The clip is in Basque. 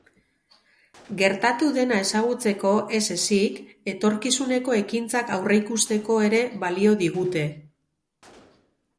Gertatu dena ezagutzeko ez ezik, etorkizuneko ekintzak aurreikusteko ere balio digute.